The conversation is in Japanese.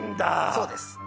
そうです